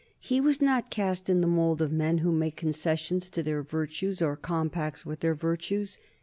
He was not cast in the mould of men who make concessions to their virtues or compacts with their virtues.